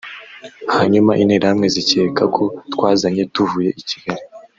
hanyuma interahamwe zikeka ko twazanye tuvuye i Kigali